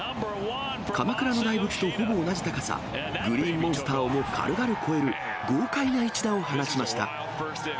鎌倉の大仏とほぼ同じ高さ、グリーンモンスターをも軽々越える豪快な一打を放ちました。